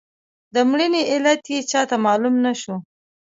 د مړینې علت یې چاته معلوم نه شو.